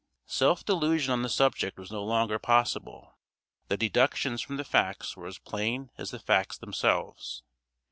Self delusion on the subject was no longer possible. The deductions from the facts were as plain as the facts themselves.